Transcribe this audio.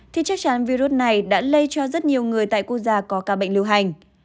thì chắc chắn virus này đã lây cho rất nhiều người tại quốc gia có ca bệnh lưu hành